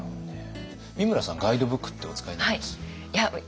美村さんガイドブックってお使いになります？